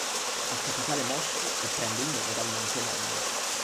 Ha capitale Moshi e prende il nome dal monte omonimo.